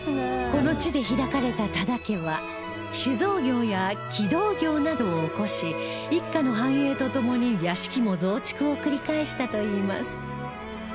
この地で開かれた多田家は酒造業や軌道業などを興し一家の繁栄とともに屋敷も増築を繰り返したといいます